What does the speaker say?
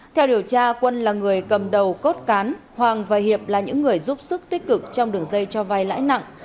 theo điều tra quân là người cầm đầu cốt cán hoàng và hiệp là những người giúp sức tích cực trong đường dây cho vai lãi nặng